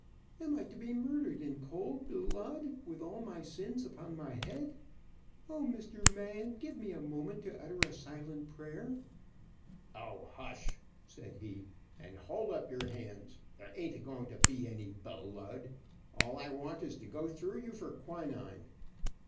Am I to be murdered in cold bel lud, with all my sins upon my head. O, Mr. Man, give me a moment to utter a silent prayer." "O, hush," said he, "and hold up your hands. There ain't going to be any bel lud. All I want is to go through you for quinine."